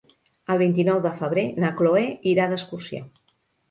El vint-i-nou de febrer na Chloé irà d'excursió.